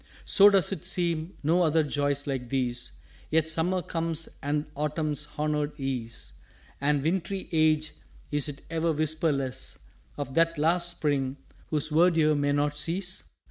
_" "So does it seem no other joys like these! Yet Summer comes, and Autumn's honoured ease; And wintry Age, is't ever whisperless Of that Last Spring, whose Verdure may not cease?"